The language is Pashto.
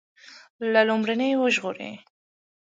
له لومې وژغوري.